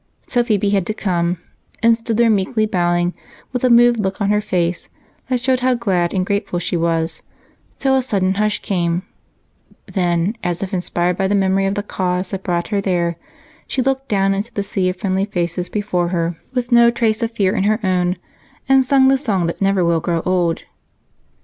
So Phebe had to come, and stood there meekly bowing, with a moved look on her face that showed how glad and grateful she was, till a sudden hush came; then, as if inspired by the memory of the cause that brought her there, she looked down into the sea of friendly faces before her, with no trace of fear in her own, and sang the song that never will grow old.